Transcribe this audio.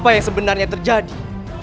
apa yang sebenarnya terjadi